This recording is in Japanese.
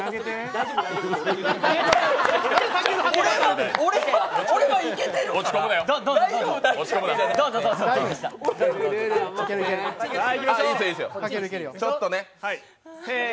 大丈夫、大丈夫って。